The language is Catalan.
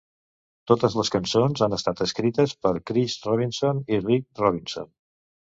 Totes les cançons han estat escrites per Chris Robinson i Rich Robinson.